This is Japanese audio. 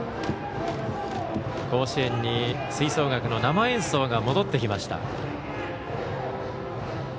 甲子園に吹奏楽の生演奏が戻ってきました。